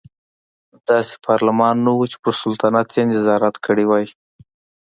داسې پارلمان نه و چې پر سلطنت یې نظارت کړی وای.